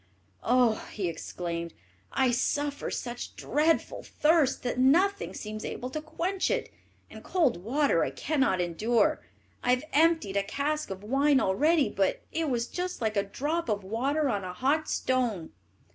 "Oh," he exclaimed, "I suffer such dreadful thirst that nothing seems able to quench it; and cold water I cannot endure. I have emptied a cask of wine already, but it was just like a drop of water on a hot stone."